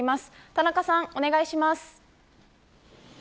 田中さん、お願いします。